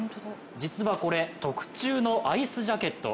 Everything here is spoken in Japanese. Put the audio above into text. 実はこれ特注のアイスジャケット。